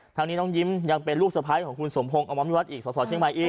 ทางนี้น้องยิ้มยังเป็นลูกสาวของคุณสมพงศ์อวัมวิวัตรศภาคเพื่อไทยอีก